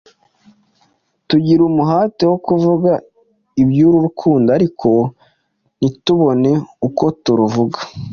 Tugira umuhati wo kuvuga iby’uru rukundo ariko ntitubone uko turuvuga.